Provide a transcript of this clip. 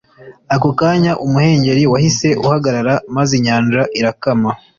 Ako kanya umuhengeri wahise uhagarara maze inyanja irakama